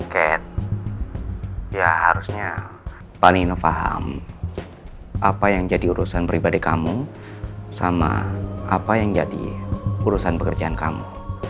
ya harusnya paling paham apa yang jadi urusan pribadi kamu sama apa yang jadi urusan pekerjaan kamu